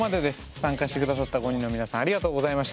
参加して下さった５人の皆さんありがとうございました。